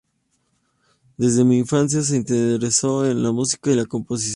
Desde su infancia se interesó en la música y la composición.